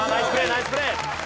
ナイスプレー！